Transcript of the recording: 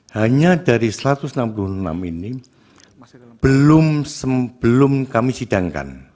hanya dari satu ratus enam puluh enam ini belum sebelum kami sidangkan